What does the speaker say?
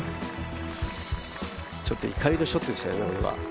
ちょっと怒りのショットでしたよね、これは。